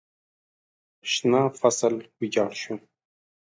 شنه فصل ویجاړ شو.